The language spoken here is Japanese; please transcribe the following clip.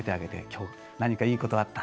「今日何かいいことあった？」